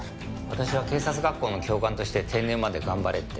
私は警察学校の教官として定年まで頑張れって。